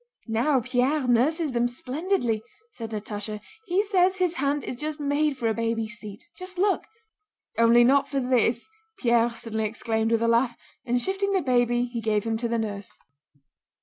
"Now, Pierre nurses them splendidly," said Natásha. "He says his hand is just made for a baby's seat. Just look!" "Only not for this..." Pierre suddenly exclaimed with a laugh, and shifting the baby he gave him to the nurse.